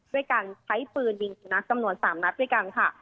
ด้วยการใช้ปืนยิงสุนัขจำนวน๓นัดด้วยกันค่ะ